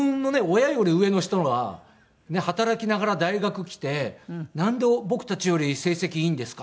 親より上の人が働きながら大学来て「なんで僕たちより成績いいんですか？」